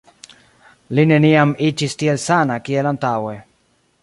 Li neniam iĝis tiel sana kiel antaŭe.